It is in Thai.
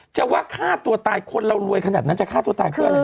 จะว่าฆ่าตัวตายคนเรารวยขนาดนั้นจะฆ่าตัวตายเพื่ออะไร